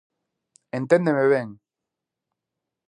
-Enténdeme ben!